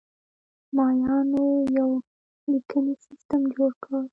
مایانو یو لیکنی سیستم جوړ کړ